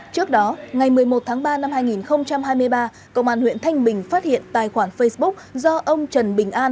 trước đó ngày một mươi một tháng ba năm hai nghìn hai mươi ba công an huyện thanh bình phát hiện tài khoản facebook do ông trần bình an